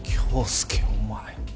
恭介お前。